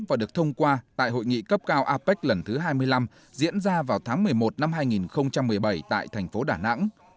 và được thông qua tại hội nghị cấp cao apec lần thứ hai mươi năm diễn ra vào tháng một mươi một năm hai nghìn một mươi bảy tại thành phố đà nẵng